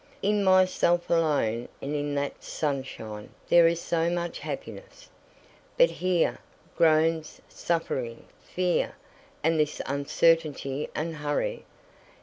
"In myself alone and in that sunshine there is so much happiness; but here... groans, suffering, fear, and this uncertainty and hurry...